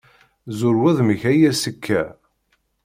Zur wudem-ik a yir sseka.